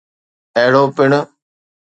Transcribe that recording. اهڙو پڻ